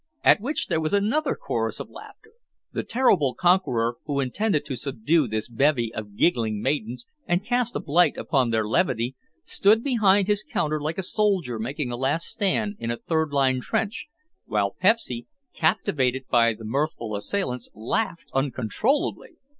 At which there was another chorus of laughter. The terrible conqueror, who intended to subdue this bevy of giggling maidens and cast a blight upon their levity, stood behind his counter like a soldier making a last stand in a third line trench, while Pepsy, captivated by the mirthful assailants, laughed uncontrollably.